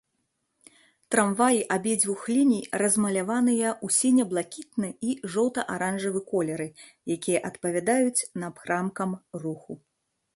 Трамваі абедзвюх ліній размаляваныя ў сіне-блакітны і жоўта-аранжавы колеры, якія адпавядаюць напрамкам руху.